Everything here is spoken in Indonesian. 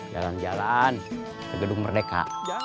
jalan jalan ke gedung merdeka